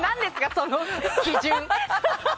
その基準。